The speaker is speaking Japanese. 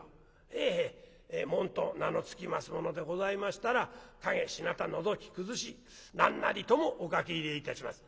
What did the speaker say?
「へえへえ紋と名の付きますものでございましたら陰日向のぞき崩し何なりともお描き入れいたします」。